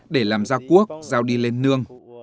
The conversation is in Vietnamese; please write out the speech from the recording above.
để làm gia quốc giao đi lên nương